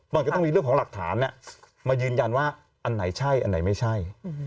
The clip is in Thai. มันก็ต้องมีเรื่องของหลักฐานมายืนยันว่าอันไหนใช่อันไหนไม่ใช่